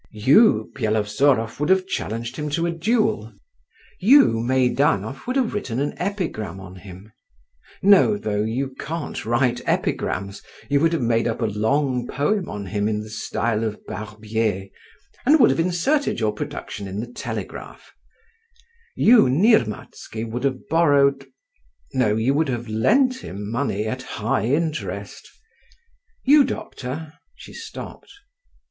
You, Byelovzorov, would have challenged him to a duel; you, Meidanov, would have written an epigram on him … No, though, you can't write epigrams, you would have made up a long poem on him in the style of Barbier, and would have inserted your production in the Telegraph. You, Nirmatsky, would have borrowed … no, you would have lent him money at high interest; you, doctor,…" she stopped.